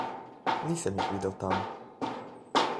Nisem jih videl tam.